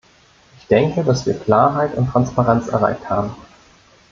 Ich denke, dass wir Klarheit und Transparenz erreicht haben.